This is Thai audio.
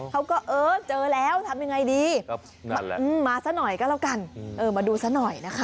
เขาก็เจอแล้วทำยังไงดี